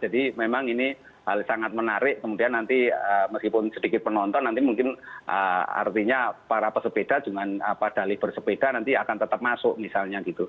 jadi memang ini hal sangat menarik kemudian nanti meskipun sedikit penonton nanti mungkin artinya para pesepeda dengan dali bersepeda nanti akan tetap masuk misalnya gitu